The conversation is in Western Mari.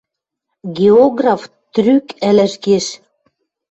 Географ трӱк ӹлӹж кеш.